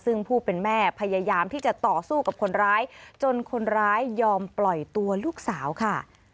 ซึ่งผู้เป็นแม่พยายามที่จะต่อสู้กับคนร้ายจนคนร้ายยอมปล่อยตัวลูกสาวค่ะ